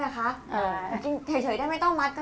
ให้เขาไปเตรียมของดีกว่า